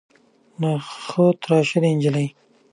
له ښیښو تراشلې نجلۍ.